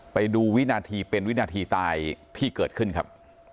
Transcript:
ไปดูวินาทีเป็นวินาทีตายที่เกิดขึ้นครับ